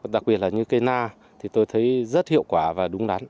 đặc biệt là những cây na thì tôi thấy rất hiệu quả và đúng đắn